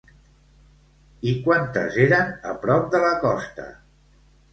I quantes eren a prop de la costa?